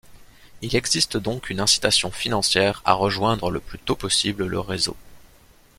Il existe donc une incitation financière à rejoindre le plus tôt possible le réseau.